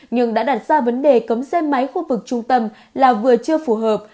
nhưng đã đặt ra vấn đề cấm xe máy khu vực trung tâm là vừa chưa phù hợp